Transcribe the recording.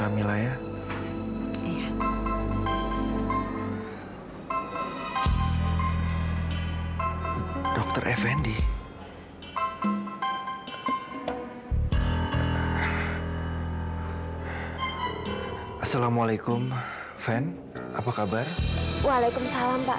waalaikumsalam pak haris